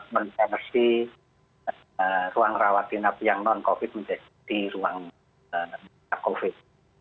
mempersi ruang rawatinap yang non covid menjadi ruang non covid